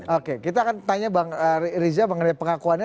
oke kita akan tanya bang riza mengenai pengakuannya